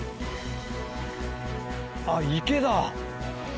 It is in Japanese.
あっ池だ。